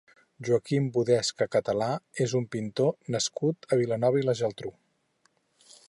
Joaquim Budesca Català és un pintor nascut a Vilanova i la Geltrú.